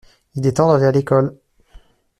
Il est temps d’aller à l’école.